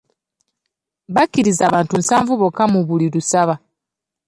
Bakkiriza abantu nsavu bokka mu buli lusaba.